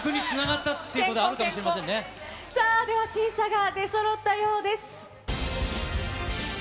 さあでは、審査が出そろったようです。